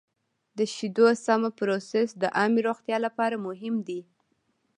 د شیدو سمه پروسس د عامې روغتیا لپاره مهم دی.